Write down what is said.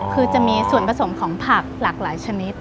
คือจะมีส่วนผสมของผักหลากหลายชนิด